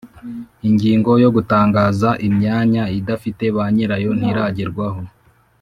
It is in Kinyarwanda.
ingingo yo gutangaza imyanya idafite banyirayo ntiragerwaho